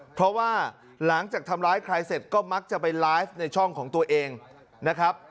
เพราะว่าหลังจากทำร้ายใครเสร็จก็มักจะไปไลฟ์ในช่องของตัวเองนะครับ